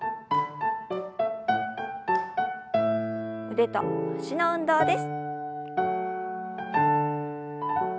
腕と脚の運動です。